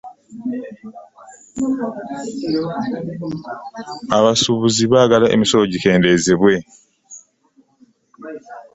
Abasuubuzi baagala emisolo gikendezebwe.